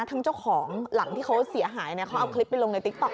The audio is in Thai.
เจ้าของหลังที่เขาเสียหายเขาเอาคลิปไปลงในติ๊กต๊อ